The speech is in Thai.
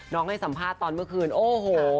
ให้สัมภาษณ์ตอนเมื่อคืนโอ้โห